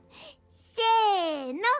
せの。